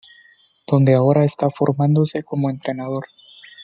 Donde ahora está formándose como entrenador.